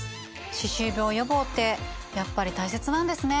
歯周病予防ってやっぱり大切なんですね。